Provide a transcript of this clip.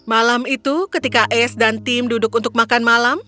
malam itu ketika es dan tim duduk untuk makan malam